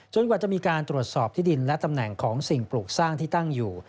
กว่าจะมีการตรวจสอบที่ดินและตำแหน่งของสิ่งปลูกสร้างที่ตั้งอยู่